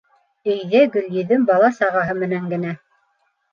Өйҙә Гөлйөҙөм бала-сағаһы менән генә.